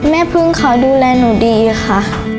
แม่พึ่งเขาดูแลหนูดีค่ะ